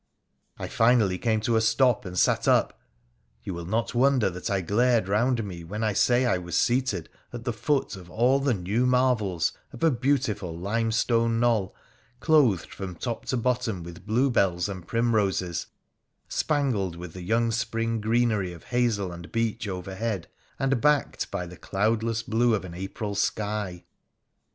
I finally came to a stop, and sat up. You will not wonder that I glared round me when I say I was seated at the foot of all the new marvels of a beautiful lime stone knoll, clothed from top to bottom with bluebells and primroses, spangled with the young spring greenery of hazel 28 WONDERrUL ADVENTURES OF and beech overhead, and backed by the cloudless blue of an April sky